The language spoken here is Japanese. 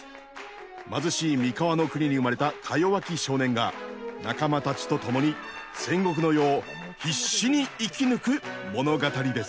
貧しい三河の国に生まれたかよわき少年が仲間たちと共に戦国の世を必死に生き抜く物語です。